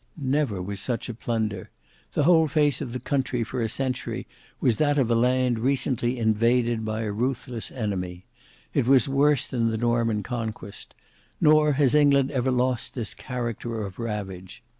Never was such a plunder. The whole face of the country for a century was that of a land recently invaded by a ruthless enemy; it was worse than the Norman conquest; nor has England ever lost this character of ravage.